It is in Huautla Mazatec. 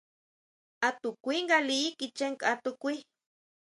A to kui nga liʼí kichʼe nkʼa tukuí.